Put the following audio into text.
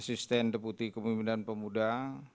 asisten deputi bidang pengembangan pemuda kementpura ri